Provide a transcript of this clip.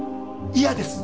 嫌です。